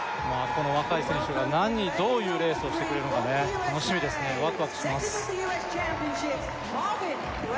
この若い選手がどういうレースをしてくれるのか楽しみですねワクワクします